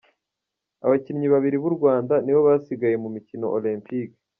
Abakinnyi babiri b’u Rwanda nibo basigaye mu mikino Olempike